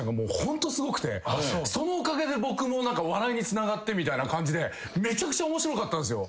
そのおかげで僕も笑いにつながってみたいな感じでめちゃくちゃ面白かったんすよ。